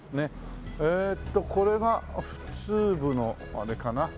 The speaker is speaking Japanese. えっとこれが普通部のあれかな。